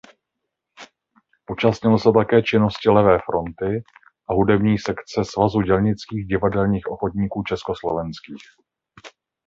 Účastnil se také činnosti "Levé fronty" a hudební sekce "Svazu dělnických divadelních ochotníků československých".